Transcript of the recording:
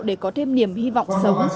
để có thêm niềm hy vọng